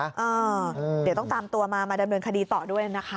เดี๋ยวต้องตามตัวมามาดำเนินคดีต่อด้วยนะคะ